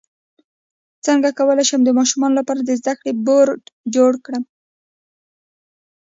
څنګه کولی شم د ماشومانو لپاره د زده کړې بورډ جوړ کړم